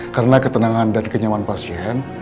karena ketenangan dan kenyaman pasien